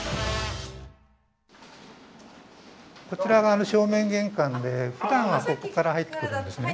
こちらが正面玄関でふだんはここから入ってくるんですね。